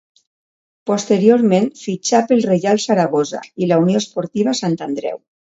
Posteriorment fitxà pel Reial Saragossa i la Unió Esportiva Sant Andreu.